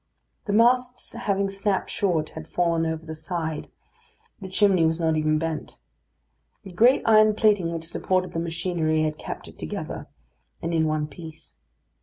The masts having snapped short, had fallen over the side; the chimney was not even bent. The great iron plating which supported the machinery had kept it together, and in one piece.